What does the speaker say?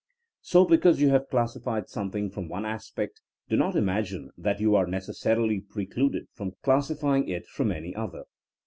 So because you have classified something from one aspect do not imagine that you are necessarily precluded from classifying it from any other.